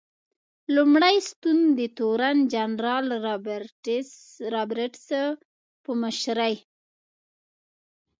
لومړی ستون د تورن جنرال رابرټس په مشرۍ.